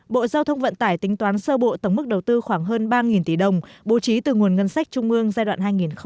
bộ giao thông vận tải tính toán sơ bộ tấm mức đầu tư khoảng hơn ba tỷ đồng bố trí từ nguồn ngân sách trung ương giai đoạn hai nghìn hai mươi một hai nghìn hai mươi năm